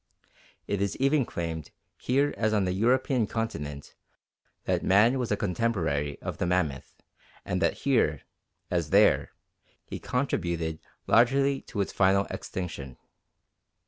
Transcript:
It is even claimed here as on the European continent that man was a contemporary of the mammoth and that here, as there, he contributed largely to its final extinction."